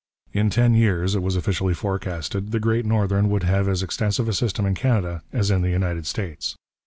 In ten years, it was officially forecasted, the Great Northern would have as extensive a system in Canada as in the United States.